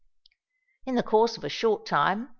In the course of a short time No.